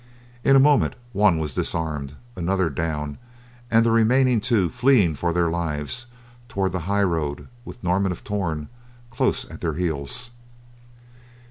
In a moment one was disarmed, another down, and the remaining two fleeing for their lives toward the high road with Norman of Torn close at their heels.